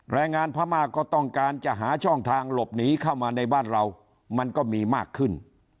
แรงงานพม่าก็ต้องการจะหาช่องทางหลบหนีเข้ามาในบ้านเรามันก็มีมากขึ้น